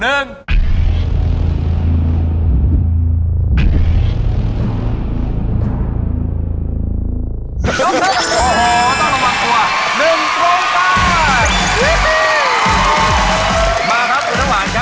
ต้องประมาณตัว๑ตรงตา